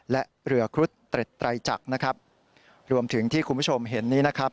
และเรือครุฑเตร็ดไตรจักรนะครับรวมถึงที่คุณผู้ชมเห็นนี้นะครับ